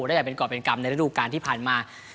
ได้อย่างเป็นกรอบเป็นกรรมในฤดูการที่ผ่านมา